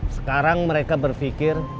sekarang mereka berpikir